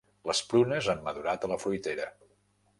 Les prunes han madurat a la fruitera.